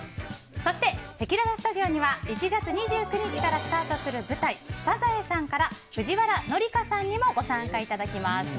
そして、せきららスタジオには１月２９日からスタートする舞台「サザエさん」から藤原紀香さんにもご参加いただきます。